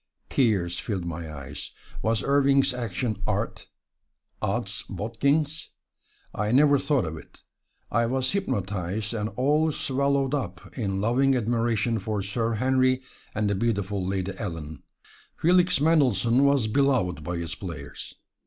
Tears filled my eyes. Was Irving's action art? Ods bodkins! I never thought of it: I was hypnotized and all swallowed up in loving admiration for Sir Henry and the beautiful Lady Ellen. Felix Mendelssohn was beloved by his players.